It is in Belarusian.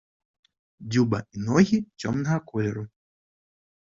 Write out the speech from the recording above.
Дзюба і ногі цёмнага колеру.